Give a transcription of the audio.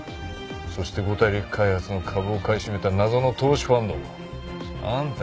そして五大陸開発の株を買い占めた謎の投資ファンドもあんたの会社だ。